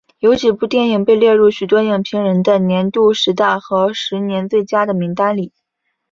有几部电影被列入许多影评人的年度十大和十年最佳的名单里。